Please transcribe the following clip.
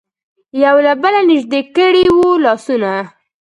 یو له بله نژدې کړي وو لاسونه.